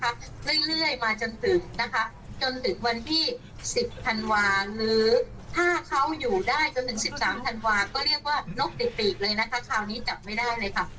คราวนี้จับไม่ได้เลยค่ะดวงเขาจะดีขึ้นหลังวันที่สิบสามธันวาห์ค่ะ